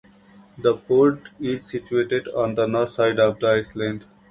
The port is situated on the north side of the island.